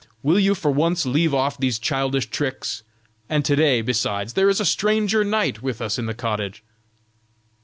will you for once leave off these childish tricks? and to day, besides, there is a stranger knight with us in the cottage."